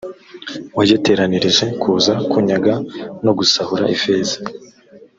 wagiteranirije kuza kunyaga no gusahura ifeza